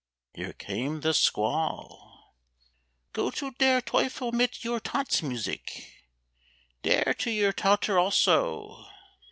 (Here came the squall.) "Go to der Teufel mit your tantz musik! Dere to your tauter also.